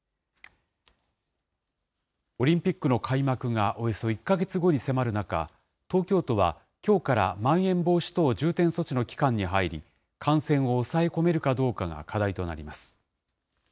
オリンピックの開幕がおよそ１か月後に迫る中、東京都はきょうからまん延防止等重点措置の期間に入り、感染を抑え込めるかどうかが課題となります。